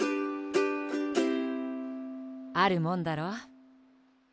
あるもんだろ。